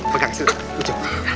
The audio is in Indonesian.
pegang sini ujung